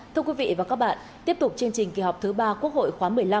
thưa quý vị và các bạn tiếp tục chương trình kỳ họp thứ ba quốc hội khóa một mươi năm